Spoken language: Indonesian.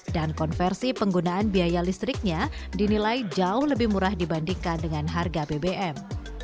dan konversi penggunaan biaya listriknya dinilai jauh lebih murah dibandingkan dengan harga bbm